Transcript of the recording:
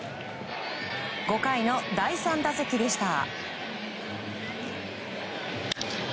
５回の第３打席でした。